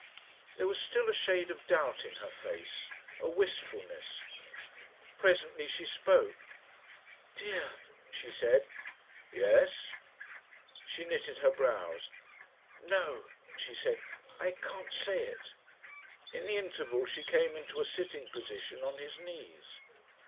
There was still a shade of doubt in her face, a wistfulness. Presently she spoke. "Dear," she said. "Yes?" She knitted her brows. "No!" she said. "I can't say it." In the interval she came into a sitting position on his knees.